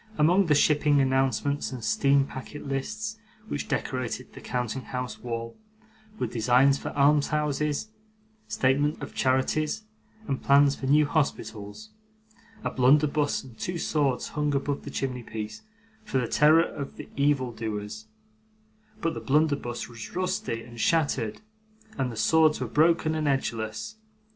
Among the shipping announcements and steam packet lists which decorated the counting house wall, were designs for almshouses, statements of charities, and plans for new hospitals. A blunderbuss and two swords hung above the chimney piece, for the terror of evil doers, but the blunderbuss was rusty and shattered, and the swords were broken and edgeless.